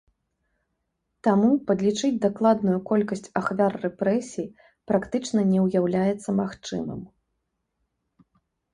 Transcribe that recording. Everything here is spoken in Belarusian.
Таму падлічыць дакладную колькасць ахвяр рэпрэсій практычна не ўяўляецца магчымым.